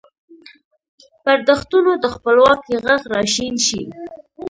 پر دښتونو د خپلواکۍ ږغ را شین شي